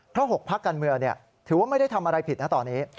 เพราะ๖พักการเมืองถือว่าไม่ได้ทำอะไรผิดนะตอนนี้